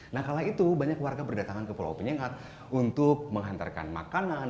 nah kala itu banyak warga berdatangan ke pulau penyengat untuk menghantarkan makanan